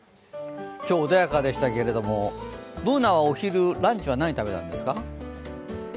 今日穏やかでしたけれども、Ｂｏｏｎａはランチは何食べたんですか？